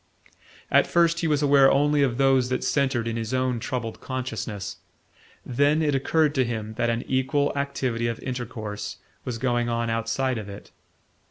At first he was aware only of those that centred in his own troubled consciousness; then it occurred to him that an equal activity of intercourse was going on outside of it.